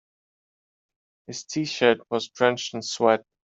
His t-shirt was drenched in sweat.